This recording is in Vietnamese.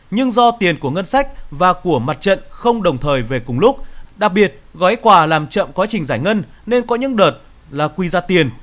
nhưng do tiền của ngân sách và của mặt trận không đồng thời về cùng lúc đặc biệt gói quà làm chậm quá trình giải ngân nên có những đợt là quy ra tiền